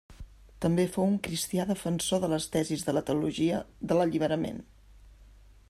També fou un cristià defensor de les tesis de la teologia de l'alliberament.